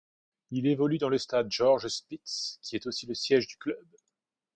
Il évolue dans le Stade Georges Spitz qui est aussi le siège du club.